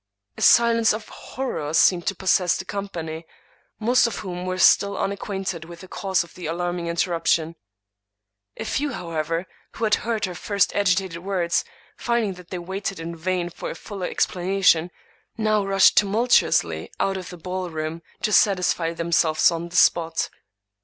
A silence of horror seemed to possess the company, most of whom were still unacquainted with the cause of the alarming interruption. A few, however, who had heard her first agitated words, finding that they waited in vain for a fuller explanation, now rushed tumultuously out of the ballroom to satisfy themselves on the spot.